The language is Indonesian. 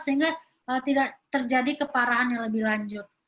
sehingga tidak terjadi keparahan yang lebih lanjut